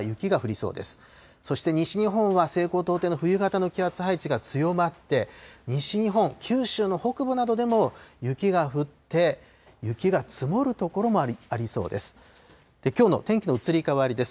そして西日本は、西高東低の冬型の気圧配置が強まって、西日本、九州の北部などでも、雪が降って、雪が積もる所もありそうです。